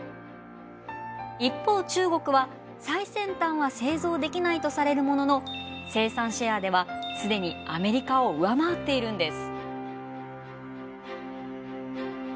一方中国は最先端は製造できないとされるものの生産シェアでは既にアメリカを上回っているんです。